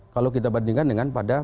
kalau kita bandingkan dengan pada